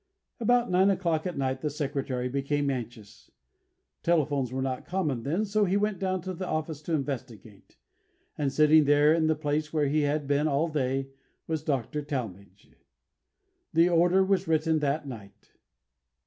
About nine o'clock at night the Secretary became anxious. Telephones were not common then, so he went down to the office to investigate; and sitting there in the place where he had been all day was Dr. Talmage. The order was written that night.